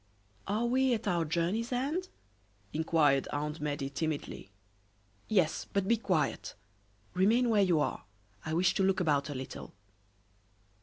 "Are we at our journey's end?" inquired Aunt Medea, timidly. "Yes, but be quiet. Remain where you are, I wish to look about a little."